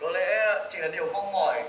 có lẽ chỉ là điều mong mỏi